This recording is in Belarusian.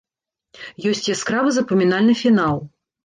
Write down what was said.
Ёсць яскравы запамінальны фінал.